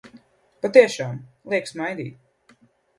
Patiešām, liek smaidīt!